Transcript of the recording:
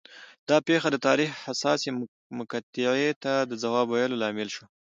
دا پېښه د تاریخ حساسې مقطعې ته د ځواب ویلو لامل شوه